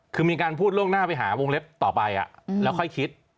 คือมีการพูดล่วงหน้าไปหาวงเล็บต่อไปแล้วค่อยคิด